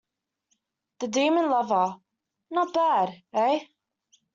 "The Demon Lover "— not bad, eh?